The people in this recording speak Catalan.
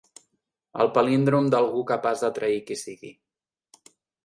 El palíndrom d'algú capaç de trair qui sigui.